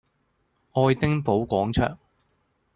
愛丁堡廣場